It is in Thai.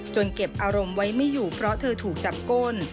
เก็บอารมณ์ไว้ไม่อยู่เพราะเธอถูกจับก้น